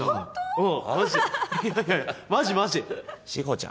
うん。